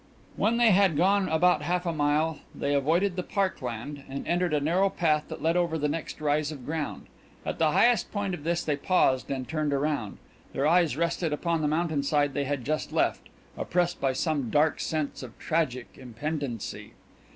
When they had gone about half a mile, they avoided the park land and entered a narrow path that led over the next rise of ground. At the highest point of this they paused and turned around. Their eyes rested upon the mountainside they had just left oppressed by some dark sense of tragic impendency.